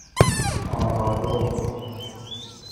آرادخت